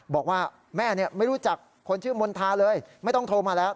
บอกว่าแม่ไม่รู้จักคนชื่อมณฑาเลยไม่ต้องโทรมาแล้ว